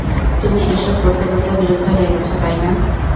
তুমি এসব করতে করতে বিরক্ত হয়ে গেছো, তাই না?